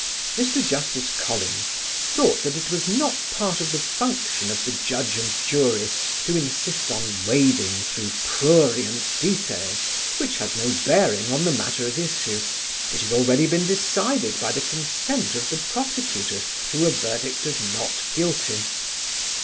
Mr. Justice Collins thought that it was not part of the function of the Judge and jury to insist on wading through prurient details, which had no bearing on the matter at issue, which had already been decided by the consent of the prosecutors to a verdict of "not guilty."